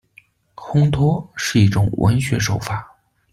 烘托，是一种文学手法。